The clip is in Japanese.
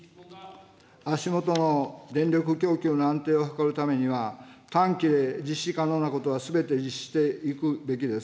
足下の電力供給の安定を図るためには、短期で実施可能なことはすべて実施していくべきです。